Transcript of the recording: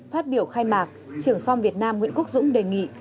phát biểu khai mạc trưởng som việt nam nguyễn quốc dũng đề nghị